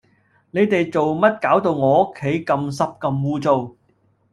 你哋做乜搞到我屋企咁濕咁污糟